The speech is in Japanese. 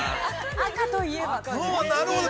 ◆赤といえばね。